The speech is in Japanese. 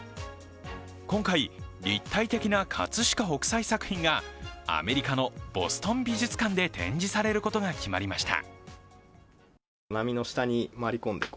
今回、立体的な葛飾北斎作品がアメリカのボストン美術館で展示されることが決まりました。